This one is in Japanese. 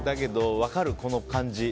分かる、この感じ。